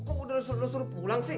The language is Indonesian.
kok udah suruh pulang sih